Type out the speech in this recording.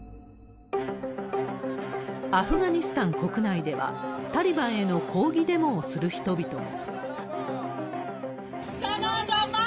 アフガニスタン国内では、タリバンへの抗議デモをする人々も。